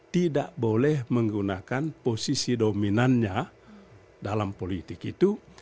tidak boleh menggunakan posisi dominannya dalam politik itu